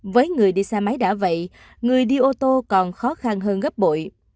với người đi xe máy đã vậy người đi ô tô còn khó khăn hơn gấp bội